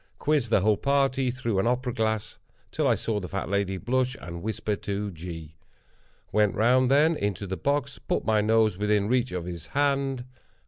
Quizzed the whole party through an opera glass, till I saw the fat lady blush and whisper to G. Went round, then, into the box, and put my nose within reach of his hand.